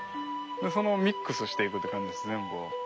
そのミックスしていくって感じです全部を。